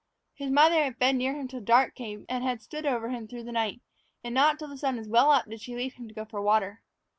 His mother had fed near him till dark came on, and had stood over him through the night; and not till the sun was well up did she leave him to go for water.